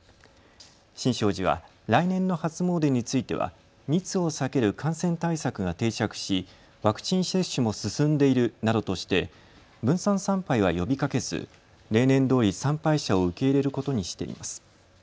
新勝寺は来年の初詣については密を避ける感染対策が定着しワクチン接種も進んでいるなどとして分散参拝は呼びかけず例年どおり参拝者を受け入れることにしています。